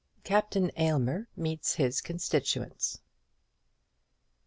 CAPTAIN AYLMER MEETS HIS CONSTITUENTS.